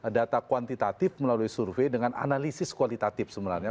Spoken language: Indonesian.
data kuantitatif melalui survei dengan analisis kualitatif sebenarnya